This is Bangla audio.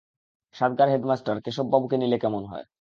সাতগার হেডমাস্টার কেশববাবুকে নিলে কেমন হয়?